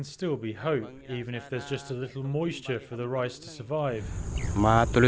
meskipun hanya ada sedikit kesehatan untuk berhasil